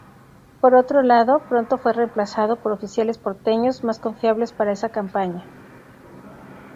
Por otro lado, pronto fue reemplazado por oficiales porteños, más confiables para esa campaña.